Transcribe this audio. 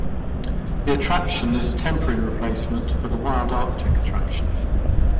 The attraction is a temporary replacement for the Wild Arctic attraction.